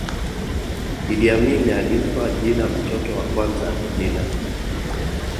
iddi amini alimpa jina mtoto wa kwanza jina